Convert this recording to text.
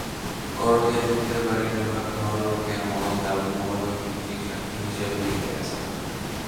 করটিয়া জমিদার বাড়ির লোহার ঘর, রোকেয়া মহল, দাউদ মহল ঐতিহাসিক সাক্ষী হিসেবে টিকে আছে।